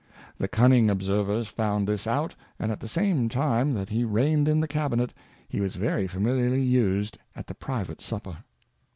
The cunning Observers found this out, and at the same time that he reigned in the Cabinet, he was very familiarly used at the private Supper.